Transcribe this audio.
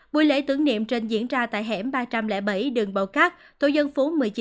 buổi lễ tưởng niệm trên diễn ra tại hẻm ba trăm linh bảy đường bầu cát tổ dân phố một mươi chín